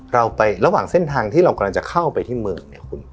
เราไประหว่างเส้นทางที่เรากำลังจะเข้าไปที่เมืองเนี่ยคุณ